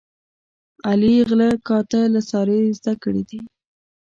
علي غله کاته له سارې زده کړي دي.